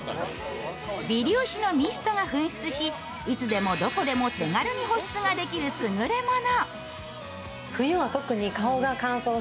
微粒子のミストが噴出し、いつでもどこでも手軽に保湿ができる優れモノ。